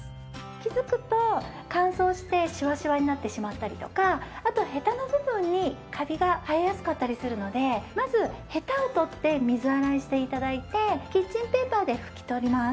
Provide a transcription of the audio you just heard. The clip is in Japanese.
気づくと乾燥してシワシワになってしまったりとかあとヘタの部分にカビが生えやすかったりするのでまずヘタを取って水洗いして頂いてキッチンペーパーで拭き取ります。